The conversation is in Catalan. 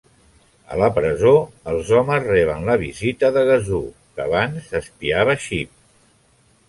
A la presó, els homes reben la visita de Gazoo, que abans espiava Xip.